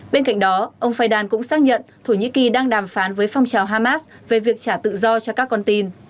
bên cạnh đó ông faydan cũng xác nhận thổ nhĩ kỳ đang đàm phán với phong trào hamas về việc trả tự do cho các con tin